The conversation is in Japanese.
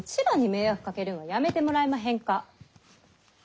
らに迷惑かけるんはやめてもらえまへんか。